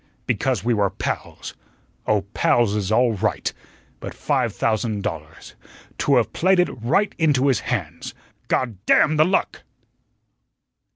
Because we were pals. Oh, 'pals' is all right but five thousand dollars to have played it right into his hands God DAMN the luck!"